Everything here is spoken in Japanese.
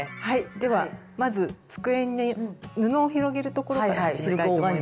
ではまず机にね布を広げるところから始めたいと思います。